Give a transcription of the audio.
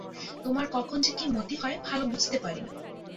তোমার কখন যে কী মতি হয়, ভালো বুঝতে পারি না।